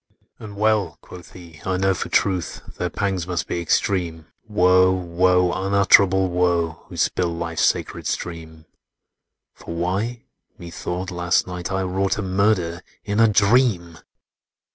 "And well," quoth he, "I know for truth, Their pangs must be extreme,— Woe, woe, unutterable woe,— Who spill life's sacred stream! For why, Methought last night I wrought A murder, in a dream!